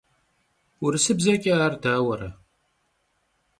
Vurısıbzeç'e ar dauere?